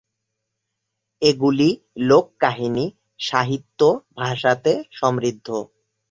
এগুলি লোককাহিনী, সাহিত্য, ভাষাতে সমৃদ্ধ।